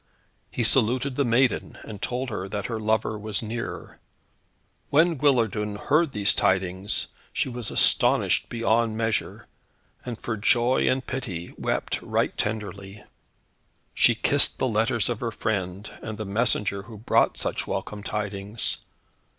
He saluted the maiden, and told her that her lover was near. When Guillardun heard these tidings she was astonied beyond measure, and for joy and pity wept right tenderly. She kissed the letters of her friend, and the messenger who brought such welcome tidings.